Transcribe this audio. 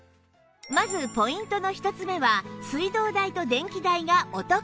まずポイントの１つ目は水道代と電気代がお得！